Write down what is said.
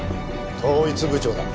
統一部長だ。